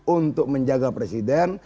untuk menjaga presiden